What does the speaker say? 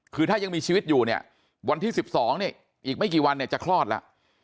คือถ้ายังมีชีวิตอยู่เนี่ยวันที่๑๒เนี่ยอีกไม่กี่วันเนี่ยจะคลอดแล้ว